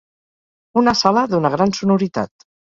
Una sala d'una gran sonoritat.